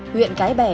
huyện cái bẻ